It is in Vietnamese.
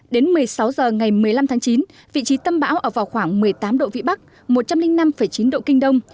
đến một mươi sáu h ngày một mươi năm tháng chín vị trí tâm bão ở vào khoảng một mươi tám độ vĩ bắc một trăm linh năm chín độ kinh đông